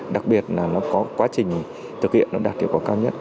đặc biệt là nó có quá trình thực hiện nó đạt hiệu quả cao nhất